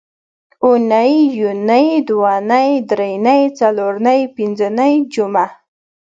اونۍ یونۍ دونۍ درېنۍ څلورنۍ پینځنۍ جمعه